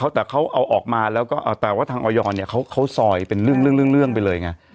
แต่เขาเอาออกมาแล้วก็แต่ว่าทางออยเนี่ยเขาซอยเป็นเรื่องไปเลยไง